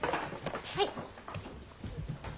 はい。